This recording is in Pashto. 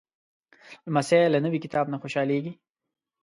لمسی له نوي کتاب نه خوشحالېږي.